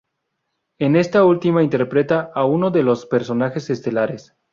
En esta última interpreta a uno de los personajes estelares.